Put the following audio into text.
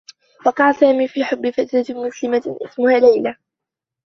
وقع سامي في حبّ فتاة مسلمة اسمها ليلى.